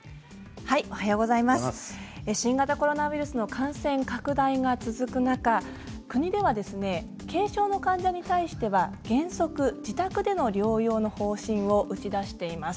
新型コロナウイルスの感染拡大が続く中国では軽症の患者に対しては原則自宅での療養の方針を打ち出しています。